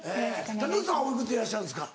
竹内さんはお幾つでいらっしゃるんですか？